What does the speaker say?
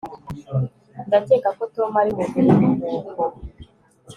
Ndakeka ko Tom ari mu biruhuko